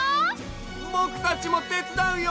ぼくたちもてつだうよ！